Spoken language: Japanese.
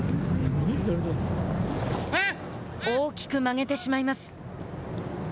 大きく曲げてしまいます。